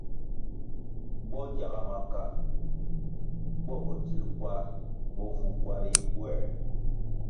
Bo gyaga maka bo bodzil kwarʼ bo vu kwar yi mbwē.